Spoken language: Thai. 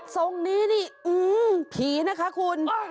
ทรงนี้นี่ผีนะคะคุณ